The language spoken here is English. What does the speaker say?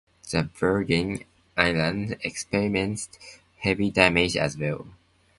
The Virgin Islands experienced heavy damage, as well.